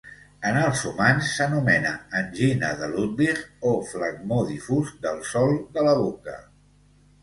En els humans s'anomena angina de Ludwig o flegmó difús del sòl de la boca.